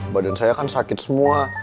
badan saya kan sakit semua